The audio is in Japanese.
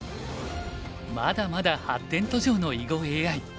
まだまだ発展途上の囲碁ＡＩ。